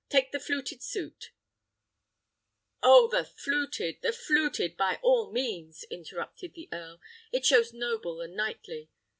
Take the fluted suit " "Oh! the fluted, the fluted, by all means," interrupted the earl, "it shows noble and knightly.